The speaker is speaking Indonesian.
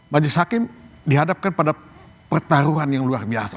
majelis hakim dihadapkan pada pertaruhan yang luar biasa